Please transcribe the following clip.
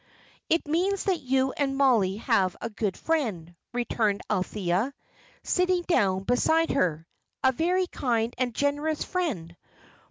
"It means that you and Mollie have a good friend," returned Althea, sitting down beside her, "a very kind and generous friend.